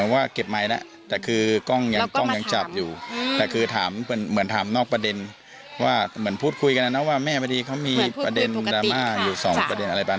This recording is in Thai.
ว่าเหมือนพูดคุยกันนะว่าแม่พอดีเขามีประเด็นดราม่าอยู่สองประเด็นอะไรบ้าง